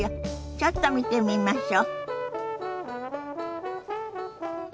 ちょっと見てみましょ。